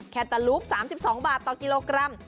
แคตาลูป๓๒บาทต่อกิโลกรัม